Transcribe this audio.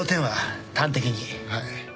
はい。